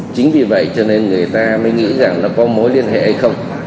chính vì vậy cho nên người ta mới nghĩ rằng nó có mối liên hệ hay không